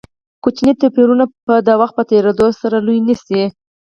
کوچني توپیرونه به د وخت په تېرېدو سره لوی نه شي.